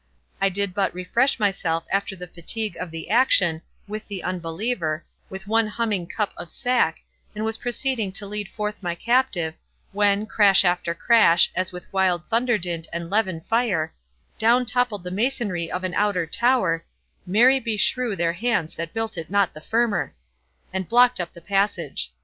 I did but refresh myself after the fatigue of the action, with the unbeliever, with one humming cup of sack, and was proceeding to lead forth my captive, when, crash after crash, as with wild thunder dint and levin fire, down toppled the masonry of an outer tower, (marry beshrew their hands that built it not the firmer!) and blocked up the passage.